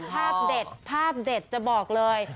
ภาพเด็ดภาพเด็ดจะบอกเลย